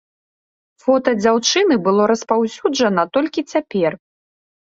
Фота жанчыны было распаўсюджана толькі цяпер.